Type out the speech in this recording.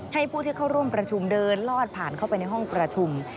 ให้ผู้ที่เข้าร่วมประชุมเดินลอดผ่านเข้าไปในห้องประชุม